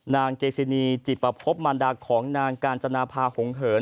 นางเกซินีจิปภมารดาของนางกาญจนาภาหงเหิน